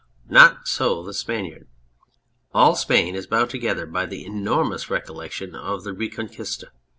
Not so the Spaniard. All Spain is bound together by the enor mous recollection of the Reconquista.